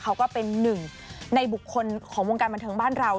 ก็เป็นหนึ่งในบุคคลของวงการบันเทิงบ้านเรา